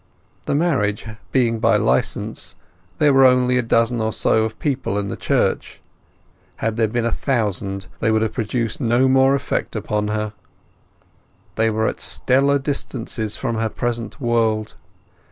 The marriage being by licence there were only a dozen or so of people in the church; had there been a thousand they would have produced no more effect upon her. They were at stellar distances from her present world.